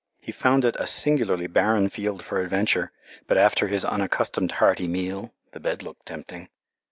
He found it a singularly barren field for adventure, but after his unaccustomed hearty meal the bed looked tempting.